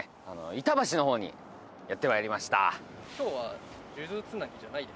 板橋の方にやって参りました